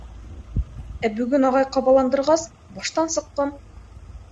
Ә бөгөн ағай ҡабаландырғас, баштан сыҡҡан.